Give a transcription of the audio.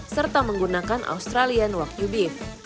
serta menggunakan australian wokyubit